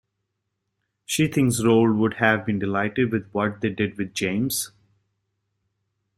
She thinks Roald would have been delighted with what they did with James.